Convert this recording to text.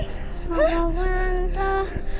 gak apa apa tante